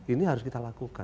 ini harus kita lakukan